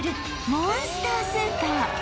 モンスタースーパー